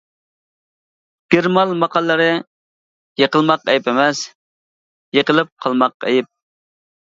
گېرمان ماقاللىرى-يىقىلماق ئەيىب ئەمەس، يىقىلىپ قالماق ئەيىب.